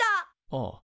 ああ。